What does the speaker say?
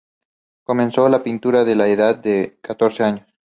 Comenzó la pintura a la edad de catorce años.